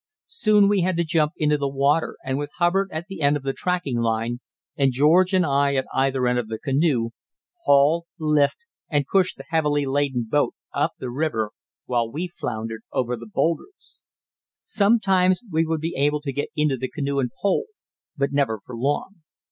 Soon we had to jump into the water, and with Hubbard at the end of the tracking line, and George and I at either end of the canoe, haul, lift, and push the heavily laden boat up the river, while we floundered over the boulders. Sometimes we would be able to get into the canoe and pole, but never for long.